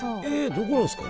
どこなんですか？